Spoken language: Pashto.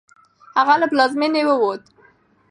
هغه له پلازمېنې ووت.